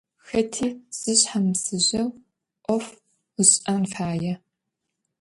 Xeti zışshamısıjeu 'of ış'en faê.